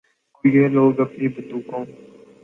کو یہ لوگ اپنی بندوقوں